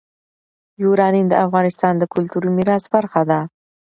یورانیم د افغانستان د کلتوري میراث برخه ده.